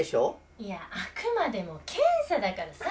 いやあくまでも検査だからさ。